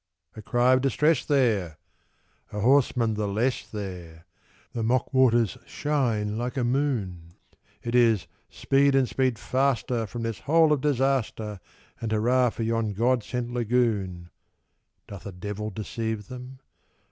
A cry of distress there! a horseman the less there! The mock waters shine like a moon! It is "Speed, and speed faster from this hole of disaster! And hurrah for yon God sent lagoon!" Doth a devil deceive them?